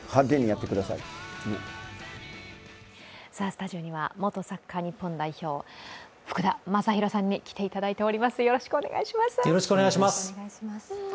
スタジオには元サッカー日本代表福田正博さんに来ていただいております。